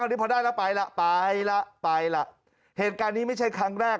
นี่พอได้แล้วไปล่ะไปละไปล่ะเหตุการณ์นี้ไม่ใช่ครั้งแรก